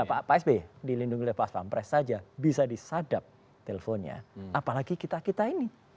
pak sp dilindungi oleh pak aspampres saja bisa disadap teleponnya apalagi kita kita ini